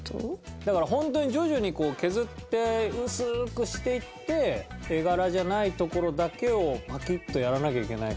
だからホントに徐々に削って薄くしていって絵柄じゃないところだけをパキッとやらなきゃいけないから。